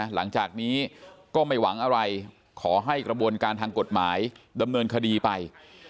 หลังจากนี้ก็ไม่หวังอะไรขอให้กระบวนการทางกฎหมายดำเนินคดีไป